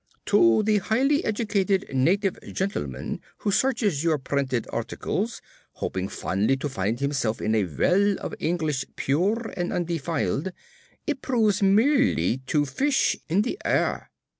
To the highly educated native gentleman who searches your printed articles, hoping fondly to find himself in a well of English pure and undefiled, it proves merely to fish in the air.